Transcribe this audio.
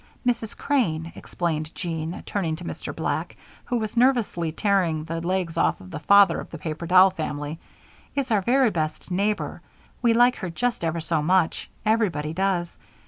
"Mrs. Crane," explained Jean, turning to Mr. Black, who was nervously tearing the legs off of the father of the paper doll family, "is our very nicest neighbor. We like her just ever so much everybody does.